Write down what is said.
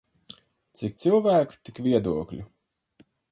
Cik cilvēku tik viedokļu.